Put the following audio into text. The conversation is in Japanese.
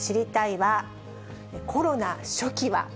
は、コロナ初期は。